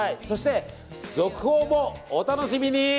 そして続報もお楽しみに！